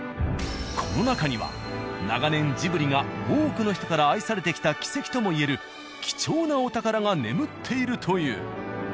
この中には長年ジブリが多くの人から愛されてきた軌跡ともいえる貴重なお宝が眠っているという。